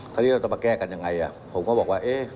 คราวนี้เราจะมาแก้กันยังไงผมก็บอกว่า